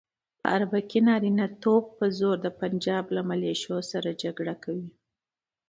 په اربکي نارینتوب په زور د پنجاب له ملیشو سره جګړه کوي.